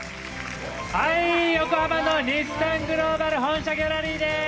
横浜の日産グローバル本社ギャラリーです。